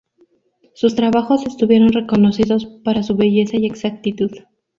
Sus trabajos estuvieron reconocidos para su belleza y exactitud.